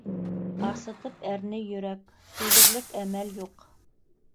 Асытып әрней йөрәк, түҙерлек әмәл юҡ.